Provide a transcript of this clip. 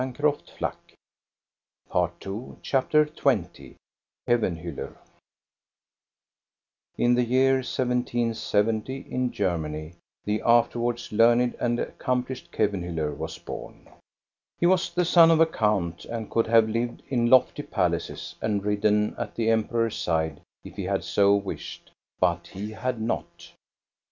KEVENHULLER 417 CHAPTER XX KEVENHULLER In the year 1770, in Germany, the afterwards learned and accomplished Kevenhiiller was born. He was the son of a count, and could have lived in lofty palaces and ridden at the Emperor's side if he had so wished; but he had not.